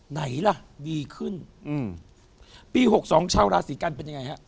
ไหนล่ะดีขึ้นปี๖๒เช่าราศิกัณฑ์เป็นยังไงฮะ